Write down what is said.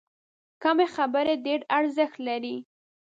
کمې خبرې، ډېر ارزښت لري.